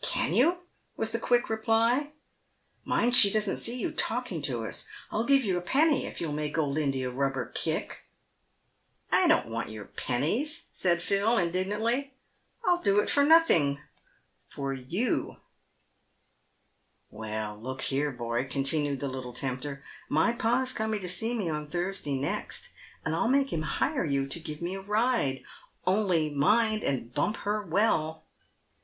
"Can you?" was the quick reply; "mind she doesn't see you talking to us. I'll give you a penny if you'll make old India Bubber kick." " I don't want your pennies," said Phil, indignantly. "I'll do it for nothing, for you" ""Well, look here, boy," continued the little tempter; "my pa's coming to see me on Thursday next, and I'll make him hire you to give me a ride ; only mind and bump her well."